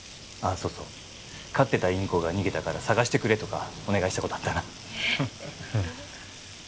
そうそう飼ってたインコが逃げたから捜してくれとかお願いしたことあったなえっ？